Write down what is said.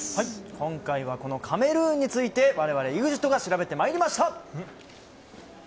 今回はカメルーンについて我々、ＥＸＩＴが調べてまいりました。